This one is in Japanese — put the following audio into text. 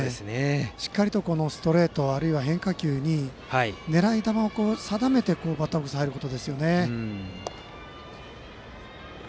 しっかりとストレートあるいは変化球に狙い球を定めてバッターボックスに入ることですよね。